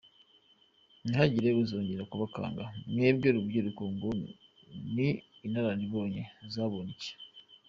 – Ntihagire uzongera kubakanga mwebwe Rubyiruko ngo ni “inararibonye” zabonye iki?